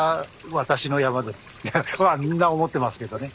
私の山です。はみんな思ってますけどね。